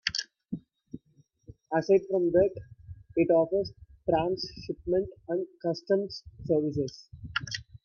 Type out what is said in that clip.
Aside from that, it offers transshipment and customs services.